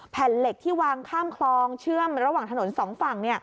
เหล็กที่วางข้ามคลองเชื่อมระหว่างถนนสองฝั่ง